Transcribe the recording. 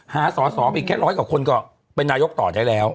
หาสอสอไปอีกแค่ร้อยกว่าคนก็เป็นนายกต่อได้แล้ว